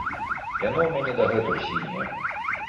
Яно ў мяне дагэтуль сіняе.